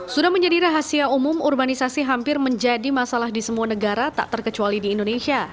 sudah menjadi rahasia umum urbanisasi hampir menjadi masalah di semua negara tak terkecuali di indonesia